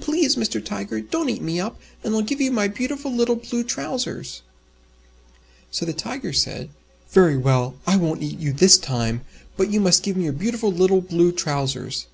Please, Mr. Tiger, don't eat me up, and I'll give you my beautiful little Blue Trousers." So the Tiger said, "Very well, I won't eat you this time, but you must give me your beautiful little Blue Trousers."